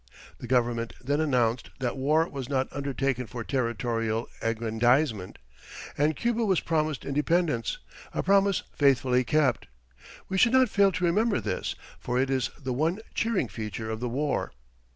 The Government then announced that war was not undertaken for territorial aggrandizement, and Cuba was promised independence a promise faithfully kept. We should not fail to remember this, for it is the one cheering feature of the war.